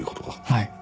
はい。